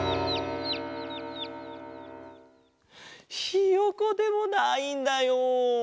ひよこでもないんだよ。